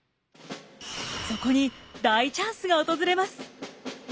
そこに大チャンスが訪れます。